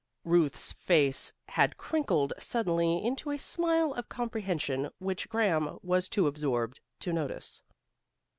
Ruth's face had crinkled suddenly into a smile of comprehension, which Graham was too absorbed to notice.